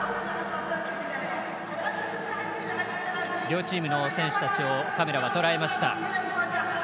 両チームの選手たちをカメラは捉えました。